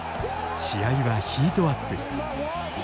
試合はヒートアップ。